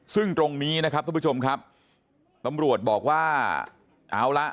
ซึ่งตรงนี้นะครับทุกผู้ชมครับตำรวจบอกว่าเอาละ